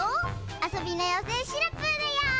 あそびのようせいシナプーだよ！